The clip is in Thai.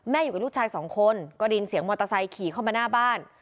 อยู่กับลูกชายสองคนก็ได้ยินเสียงมอเตอร์ไซค์ขี่เข้ามาหน้าบ้าน